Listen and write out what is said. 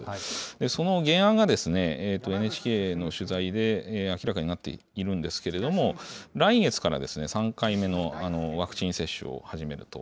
その原案がＮＨＫの取材で明らかになっているんですけれども、来月から３回目のワクチン接種を始めると。